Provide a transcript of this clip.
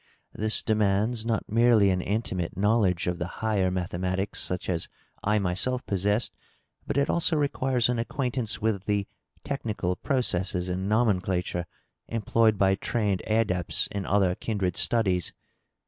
This demands not merely an intimate knowledge of the higher mathematics, such as I myself possessed, but it also re quires an acquaintance with the technical processes and nomenclature employed by trained adepts in other kindred studies.